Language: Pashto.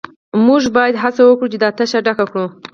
موږ باید هڅه وکړو چې دا تشه ډکه کړو